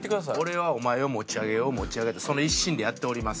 俺はお前を持ち上げようその一心でやっております。